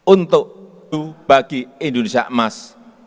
untuk bagi indonesia emas